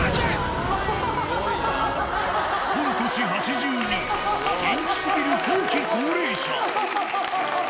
御年８２、元気すぎる後期高齢者。